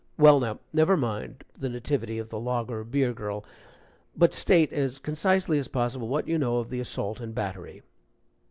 "Well, now, never mind the nativity of the lager beer girl, but state, as concisely as possible, what you know of the assault and battery."